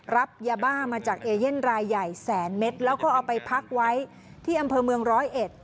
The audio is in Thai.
รับยาบ้ามาจากเอเย่นรายใหญ่แสนเม็ดแล้วก็เอาไปพักไว้ที่อำเภอเมืองร้อยเอ็ด